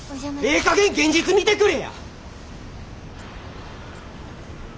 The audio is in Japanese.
ええかげん現実見てくれや！